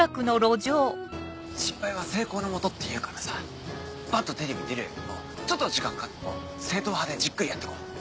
失敗は成功のもとっていうからさバッとテレビ出るよりもちょっと時間かかっても正統派でじっくりやってこう。